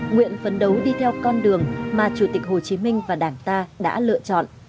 nguyện phấn đấu đi theo con đường mà chủ tịch hồ chí minh và đảng ta đã lựa chọn